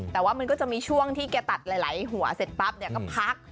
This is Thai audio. แต่ว่ามันก็จะมีช่วงที่แกตัดหลายหัวเสร็จปั๊บเนี่ยก็พัก